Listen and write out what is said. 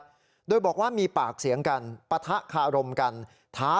จริงนะครับโดยบอกว่ามีปากเสียงกันปะทะคารมกันท้า